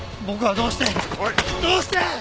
僕はどうしてどうして！